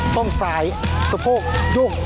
ต้นซ้ายสะโพกยุ่ง